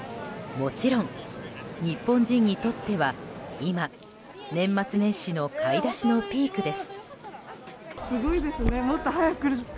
もちろん日本人にとっては今、年末年始の買い出しのピークです。